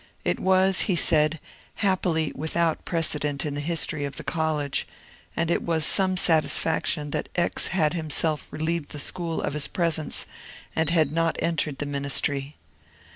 It was, he said, happily without precedent in the history of the college, and it was some satisfaction that X. had himself relieved the school of his presence and had not entered the ministry.